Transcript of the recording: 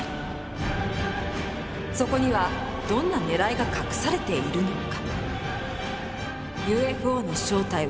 そこにはどんなねらいが隠されているのか？